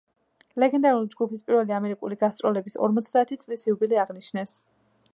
ლეგენდარული ჯგუფის პირველი ამერიკული გასტროლების ორმოცდაათი წლის იუბილე აღნიშნეს.